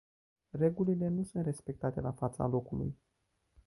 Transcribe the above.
Regulile nu sunt respectate la fața locului.